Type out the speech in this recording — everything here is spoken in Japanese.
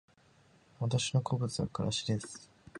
私の好物はからしです